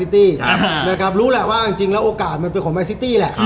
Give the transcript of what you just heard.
แต่ว่าจริงแล้วโอกาสมันเป็นของแมทซิตี้แหละ